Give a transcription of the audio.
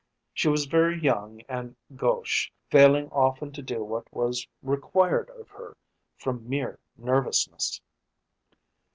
She was very young and gauche, failing often to do what was required of her from mere nervousness.